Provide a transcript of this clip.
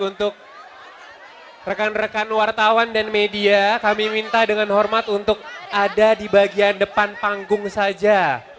untuk rekan rekan wartawan dan media kami minta dengan hormat untuk ada di bagian depan panggung saja